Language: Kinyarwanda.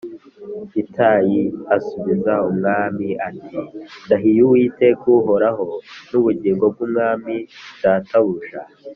Itayi asubiza umwami ati “Ndahiye Uwiteka uhoraho n’ubugingo bw’umwami databuja